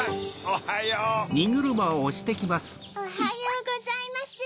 おはようございます。